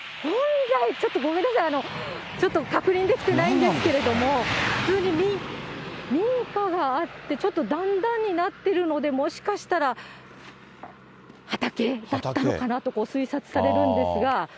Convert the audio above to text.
本来ちょっと、ごめんなさい、ちょっと確認できてないんですけれども、普通に民家があって、ちょっと段々になっているので、もしかしたら、畑だったのかなと、推察されるんですが。